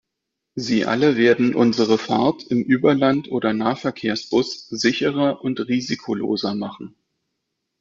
Sie alle werden unsere Fahrt im Überland- oder Nahverkehrsbus sicherer und risikoloser machen.